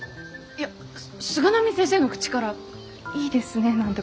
いや菅波先生の口からいいですねなんて